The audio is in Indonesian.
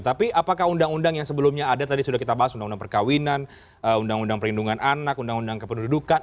tapi apakah undang undang yang sebelumnya ada tadi sudah kita bahas undang undang perkawinan undang undang perlindungan anak undang undang kependudukan